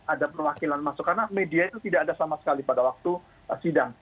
ada perwakilan masuk karena media itu tidak ada sama sekali pada waktu sidang